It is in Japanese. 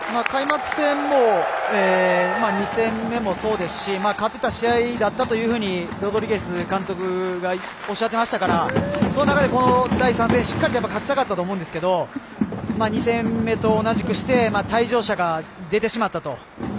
開幕戦も２戦目もそうですし勝てた試合だったというふうにロドリゲス監督がおっしゃっていましたからその中で、この第３戦はしっかり勝ちたかったと思いますけど２戦目と同じくして退場者が出てしまったと。